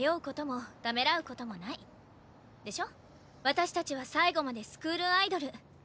私たちは最後までスクールアイドル。